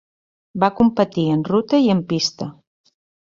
Va competir en ruta i en pista.